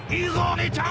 兄ちゃん！